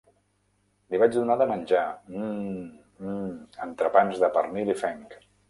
Li vaig donar de menjar, mmm, mmm, entrepans de pernil i fenc.